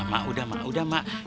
mak udah mak udah mak